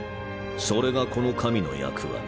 それがこの神の役割。